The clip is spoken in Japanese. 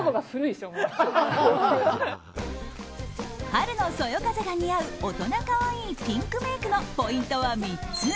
春のそよ風が似合う大人可愛いピンクメイクのポイントは３つ。